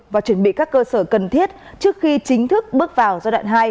và chuẩn bị các cơ sở cần thiết trước khi chính thức bước vào giai đoạn hai